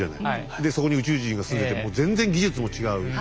でそこに宇宙人が住んでてもう全然技術も違う。